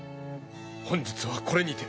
本日はこれにて。